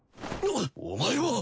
お前は！